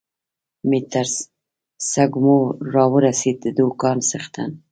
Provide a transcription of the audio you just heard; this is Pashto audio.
مې تر سږمو را ورسېد، د دوکان څښتن.